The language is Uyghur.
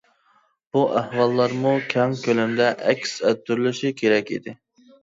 بۇ ئەھۋاللارمۇ كەڭ كۆلەمدە ئەكس ئەتتۈرۈلۈشى كېرەك ئىدى.